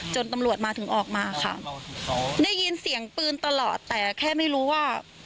จิตใจคือมันไม่โอเคแล้วเพราะว่า